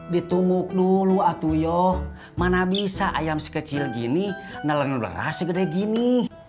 ditunggu dulu atuh yo mana bisa ayam sekecil gini nelen beras gede gini